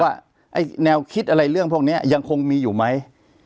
ว่าแนวคิดอะไรเรื่องพวกนี้ยังคงมีอยู่ไหม